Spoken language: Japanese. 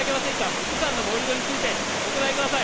伊豆山の盛り土についてお答えください。